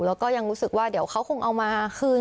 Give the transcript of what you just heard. แล้วก็ยังรู้สึกว่าเดี๋ยวเขาคงเอามาคืน